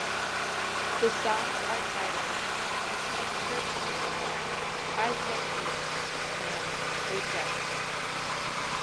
The songs are titled "You Can't Hurt Me Anymore", "I've Met Jesus" and "Whichever".